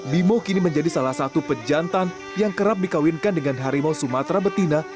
bimo kini menjadi salah satu pejantan yang kerap dikawinkan dengan harimau sumatera betina